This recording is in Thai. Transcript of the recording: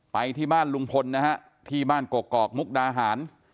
ไปที่บ้านลุงพลนะฮะที่บ้านกกอกมุกดาหาร